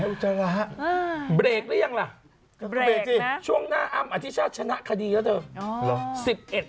แหมอุจาระเบรกหรือยังล่ะเบรกจริงช่วงหน้าอำอธิชาชนะคดีแล้วเธอ